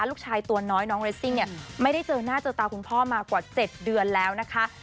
ลูกชายตัวน้อยน้องเรสซิ่งเนี่ยไม่ได้เจอหน้าเจอตาคุณพ่อมากว่า๗เดือนแล้วนะคะ